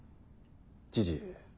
知事。